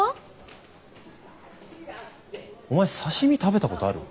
お前刺身食べたことある？